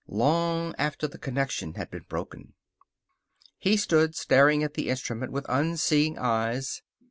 Long after the connection had been broken. He stood staring at the instrument with unseeing eyes.